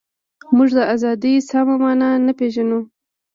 موږ د ازادۍ سمه مانا نه پېژنو.